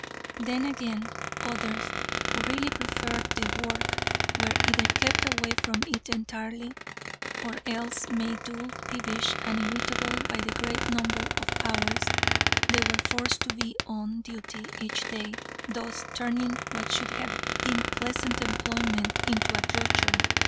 Then again, others who really preferred the work were either kept away from it entirely, or else made dull, peevish and irritable by the great number of hours they were forced to be on duty each day, thus turning what should have been pleasant employment into a drudgery.